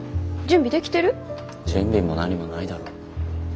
準備も何もないだろ。